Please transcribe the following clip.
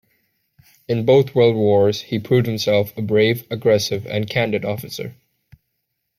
In both world wars, he proved himself a brave, aggressive, and candid officer.